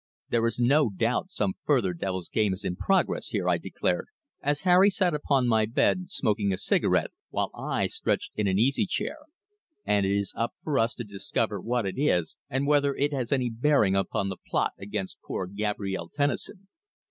"There is no doubt some further devil's game is in progress here," I declared, as Harry sat upon my bed smoking a cigarette, while I was stretched in an easy chair. "And it is up to us to discover what it is, and whether it has any bearing upon the plot against poor Gabrielle Tennison."